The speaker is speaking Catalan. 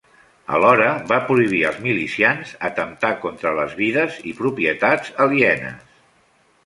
Alhora va prohibir als milicians atemptar contra les vides i propietats alienes.